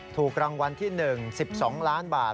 ถูกรางวัลที่๑๑๒ล้านบาท